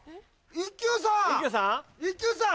一休さん！